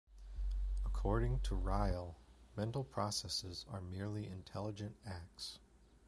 According to Ryle, mental processes are merely intelligent acts.